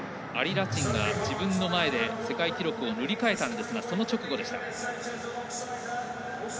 ラチンが自分の前で世界記録を塗り替えたんですがその直後でした。